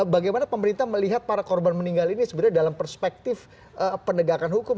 bagaimana pemerintah melihat para korban meninggal ini sebenarnya dalam perspektif penegakan hukum